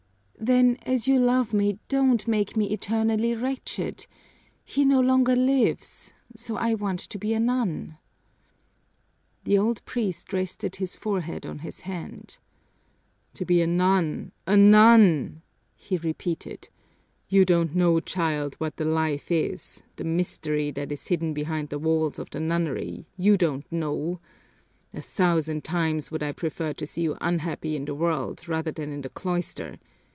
"Then, as you love me, don't make me eternally wretched. He no longer lives, so I want to be a nun!" The old priest rested his forehead on his hand. "To be a nun, a nun!" he repeated. "You don't know, child, what the life is, the mystery that is hidden behind the walls of the nunnery, you don't know! A thousand times would I prefer to see you unhappy in the world rather than in the cloister.